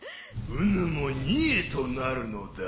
うぬも贄となるのだ。